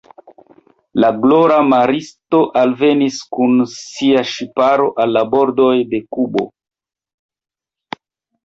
La glora maristo alvenis kun sia ŝiparo al la bordoj de Kubo.